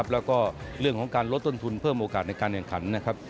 แล้วก็เรื่องของการลดต้นทุนเพิ่มโอกาสในการเนื้องขัน